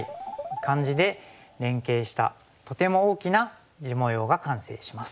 感じで連携したとても大きな地模様が完成します。